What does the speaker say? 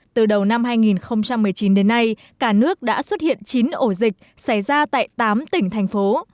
từ đầu năm hai nghìn một mươi chín đến nay cả nước đã xuất hiện chín ổ dịch xảy ra tại tám tỉnh thành phố